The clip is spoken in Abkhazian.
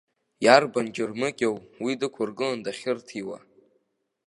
Иарбан џьармыкьоу уи дықәыргылан дахьырҭиуа?